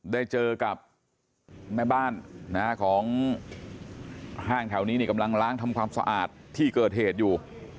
ได้เจอกับแม่บ้านของห้างแถวนี้กำลังล้างทำความสะอาดที่เกิดเหตุอยู่